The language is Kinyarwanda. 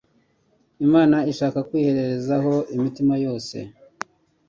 Imana ishaka kwireherezaho imitima yose.